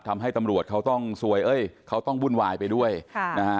ทำให้ตำรวจเขาต้องซวยเอ้ยเขาต้องวุ่นวายไปด้วยค่ะนะฮะ